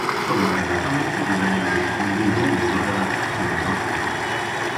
Solo gradatamente divenne ad esclusivo uso della trazione a vapore.